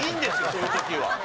そういう時は。